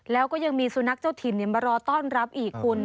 แล้วก็ยังมีสุนัขเจ้าถิ่นมารอต้อนรับอีกคุณ